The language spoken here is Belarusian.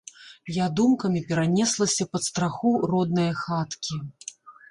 Я думкамі перанеслася пад страху роднае хаткі.